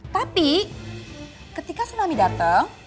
tapi ketika tsunami dateng